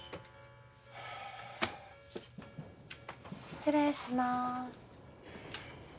失礼します。